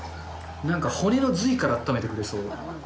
なんか、骨の髄からあっためてくれそう。